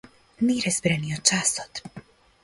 Не разбра ни од часот.